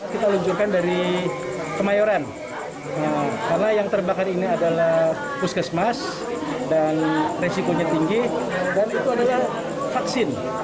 kita luncurkan dari kemayoran karena yang terbakar ini adalah puskesmas dan resikonya tinggi dan itu adalah vaksin